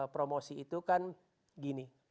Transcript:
promosi itu kan gini